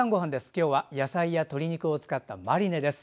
今日は野菜や鶏肉を使ったマリネです。